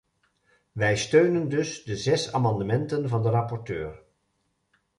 Wij steunen dus de zes amendementen van de rapporteur.